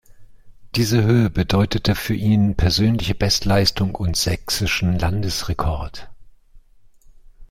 Diese Höhe bedeutete für ihn persönliche Bestleistung und sächsischen Landesrekord.